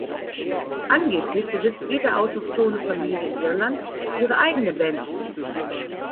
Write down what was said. Angeblich besitzt jede autochthone Familie in Irland ihre eigene Banshee.